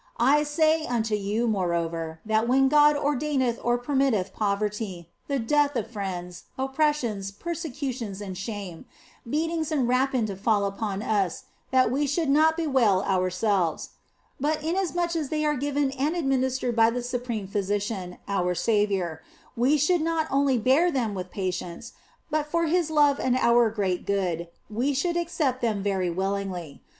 I say unto you, moreover, that when God ordereth or permitteth poverty, the death of friends, oppressions, persecutions and shame, beatings and rapine to fall upon us, that we should not bewail our selves ; but inasmuch as they are given and administered 88 THE BLESSED ANGELA by the supreme Physician, our Saviour, we should not only bear them with patience, but for His love and our own great good we should accept them very willingly.